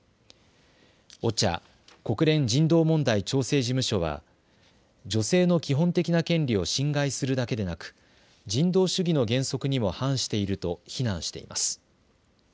ＯＣＨＡ・国連人道問題調整事務所は女性の基本的な権利を侵害するだけでなく人道主義の原則にも反していると非難しています。